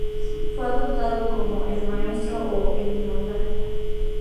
Fue apodado como "El Maestro" o "El Inmortal".